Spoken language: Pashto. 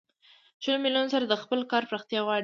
شلو میلیونو سره د خپل کار پراختیا غواړي